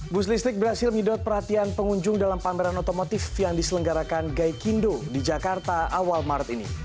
bus listrik berhasil menyedot perhatian pengunjung dalam pameran otomotif yang diselenggarakan gaikindo di jakarta awal maret ini